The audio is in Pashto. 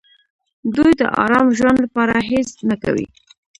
دوی د ارام ژوند لپاره هېڅ نه کوي.